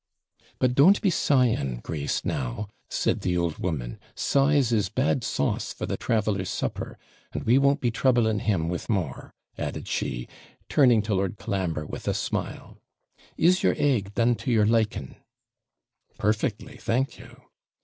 'But don't be sighing, Grace, now,' said the old woman; 'sighs is bad sauce for the traveller's supper; and we won't be troubling him with more,' added she, turning to Lord Colambre with a smile. 'Is your egg done to your liking?' 'Perfectly, thank you.'